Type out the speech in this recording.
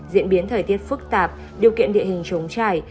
diễn biến thời tiết phức tạp điều kiện địa hình chống chảy